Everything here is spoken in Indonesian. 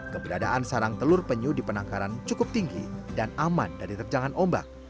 keberadaan sarang telur penyu dipenangkaran cukup tinggi dan aman dari terjalan ombak